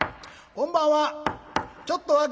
こんばんは」。